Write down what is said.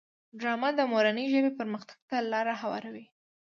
ډرامه د مورنۍ ژبې پرمختګ ته لاره هواروي